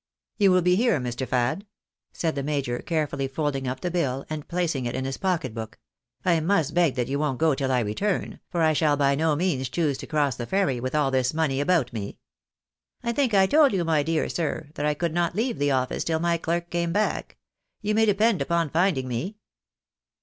You will be here, Mr. Fad ?" said the major, carefully folding up the bill, and placing it in his pocket book. " I must beg that you won't go till I return, for I shall by no means choose to cross the ferry with all this money about me." "I think I told you, my dear sir, that I could not leave the office till my clerk came back. You may depend upon finding me."